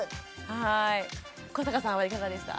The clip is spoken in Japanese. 古坂さんはいかがでした？